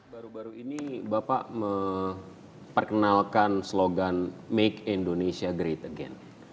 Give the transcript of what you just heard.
baru baru ini bapak memperkenalkan slogan make indonesia great again